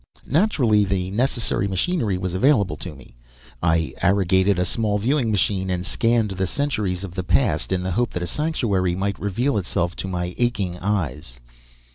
Naturally, the necessary machinery was available to me. I arrogated a small viewing machine, and scanned the centuries of the past in the hope that a sanctuary might reveal itself to my aching eyes.